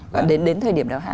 và đến thời điểm đáo hạn